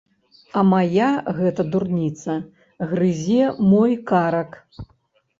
А мая гэта дурніца грызе мой карак.